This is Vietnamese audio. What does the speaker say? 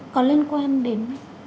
có liên quan đến